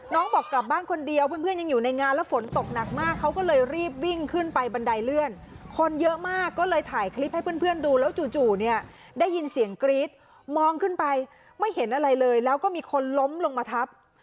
บอกกลับบ้านคนเดียวเพื่อนยังอยู่ในงานแล้วฝนตกหนักมากเขาก็เลยรีบวิ่งขึ้นไปบันไดเลื่อนคนเยอะมากก็เลยถ่ายคลิปให้เพื่อนดูแล้วจู่เนี่ยได้ยินเสียงกรี๊ดมองขึ้นไปไม่เห็นอะไรเลยแล้วก็มีคนล้มลงมาทับ